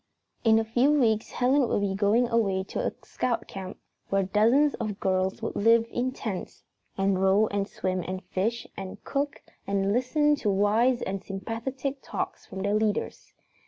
In a few weeks Helen would be going away to a Scout camp where dozens of girls would live in tents and row and swim and fish and cook and listen to wise and sympathetic talks from their leaders.